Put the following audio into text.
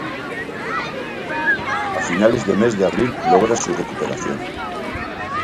A finales del mes de abril logra su recuperación.